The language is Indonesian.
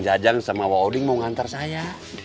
jajang sama wauding mau ngantar saya